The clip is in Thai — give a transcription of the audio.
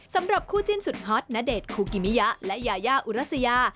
สำหรับคู่จิ้นสุดฮอตณเดชน์คูกิมิยะและยายาอุรัสยา